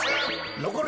のこる